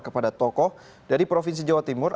kepada tokoh dari provinsi jawa timur